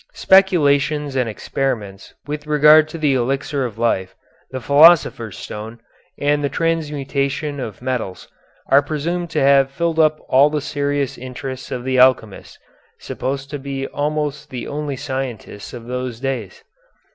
Speculations and experiments with regard to the elixir of life, the philosopher's stone, and the transmutation of metals, are presumed to have filled up all the serious interests of the alchemists, supposed to be almost the only scientists of those days.